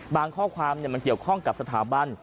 บางข้อความเนี่ยมันเกี่ยวข้องกับสถาบัน